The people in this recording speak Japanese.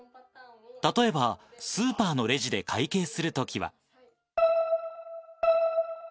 例えば、スーパーのレジで会計するときは。